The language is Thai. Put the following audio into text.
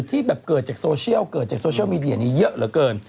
ที่แบบเกิดจากโซเชียลเกิดจากโซเชียลมีเดียนี้เยอะเหลือเกิน